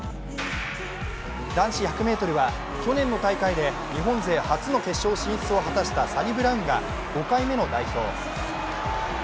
男子１００ｍは去年の大会で日本勢初の決勝進出を果たしたサニブラウンが５回目の代表。